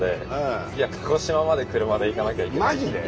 マジで？